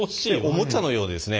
おもちゃのようなですね